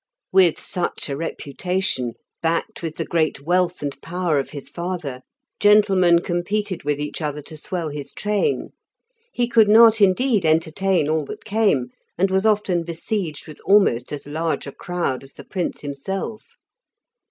With such a reputation, backed with the great wealth and power of his father, gentlemen competed with each other to swell his train; he could not, indeed, entertain all that came, and was often besieged with almost as large a crowd as the Prince himself.